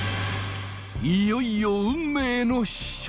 いよいよ運命の試食